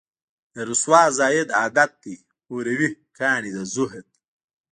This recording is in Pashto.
د رســــــوا زاهـــــد عـــــــادت دی اوروي کاڼي د زهد